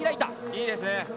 いいですね。